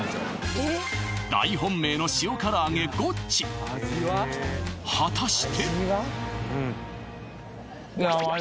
大本命の塩からあげごっち果たして？